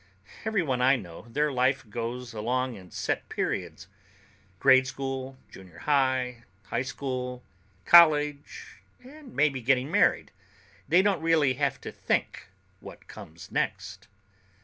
Everyone I know, their life goes along in set periods: grade school, junior high, high school, college, and maybe getting married. They don't really have to think what comes next.